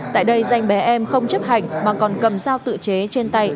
tại đây danh bé em không chấp hành mà còn cầm dao tự chế trên tay